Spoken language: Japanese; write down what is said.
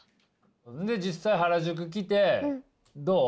で実際原宿来てどう？